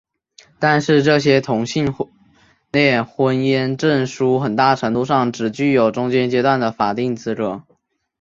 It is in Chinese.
但是这些同性恋婚姻证书很大程度上是只具有中间阶段的法定资格。